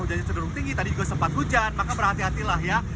hujannya cenderung tinggi tadi juga sempat hujan maka berhati hatilah ya